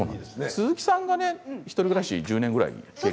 鈴木さんがね、１人暮らし１０年ぐらい？